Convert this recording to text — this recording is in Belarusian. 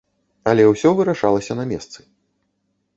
Але ўсё вырашалася на месцы.